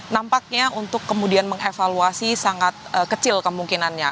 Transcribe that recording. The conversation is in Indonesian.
nampaknya untuk kemudian mengevaluasi sangat kecil kemungkinannya